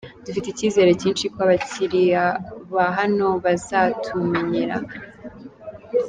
Dufite icyizere cyinshi ko abakiliya ba hano bazatumenyera.